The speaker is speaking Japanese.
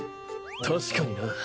確かにな！